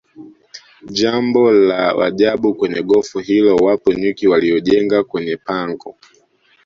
Jambo la ajabu kwenye gofu hilo wapo nyuki waliojenga kwenye pango